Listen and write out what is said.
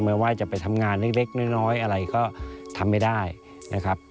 ว่าจะไปทำงานเล็กน้อยอะไรก็ทำไม่ได้นะครับ